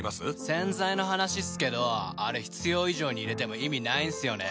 洗剤の話っすけどあれ必要以上に入れても意味ないんすよね。